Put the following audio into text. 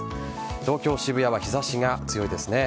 東京・渋谷は日差しが強いですね。